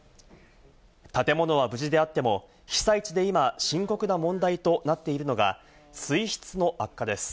建物は無事であっても被災地で今、深刻な問題となっているのが水質の悪化です。